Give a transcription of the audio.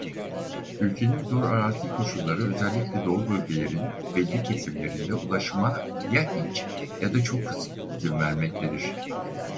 Ülkenin zor arazi koşulları özellikle doğu bölgelerin belli kesimlerinde ulaşıma ya hiç ya da çok kısıtlı izin vermektedir.